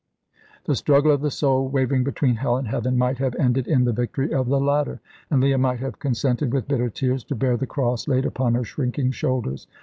The struggle of the soul wavering between hell and heaven might have ended in the victory of the latter, and Leah might have consented with bitter tears to bear the cross laid upon her shrinking shoulders.